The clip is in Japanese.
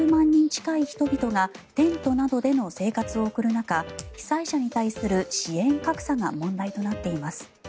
今も１６０万人近い人々がテントなどでの生活を送る中被災者に対する支援格差が問題となっています。